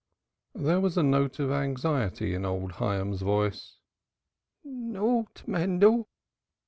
There was a note of anxiety in old Hyams's voice. "Naught, Mendel."